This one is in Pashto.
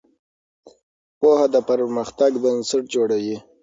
پوهه د پرمختګ بنسټ جوړوي.